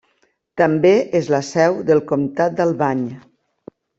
També és la seu del Comtat d'Albany.